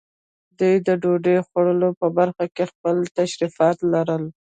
دوی د ډوډۍ خوړلو په برخه کې خپل تشریفات لرل.